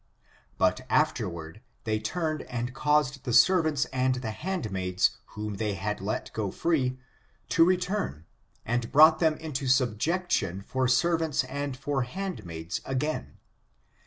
But afterward they turned and caused the servants and the handmaids whom they had let go free, to return, and brought them into subjection for servants and for handmaids [again].